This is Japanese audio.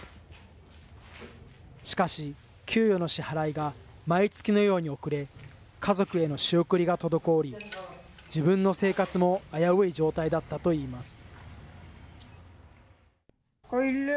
しかし、給与の支払いが毎月のように遅れ、家族への仕送りが滞り、自分の生活も危うい状態だったといいます。